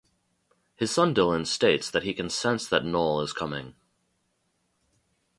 His son Dylan states that he can sense that Knull is coming.